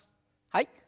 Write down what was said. はい。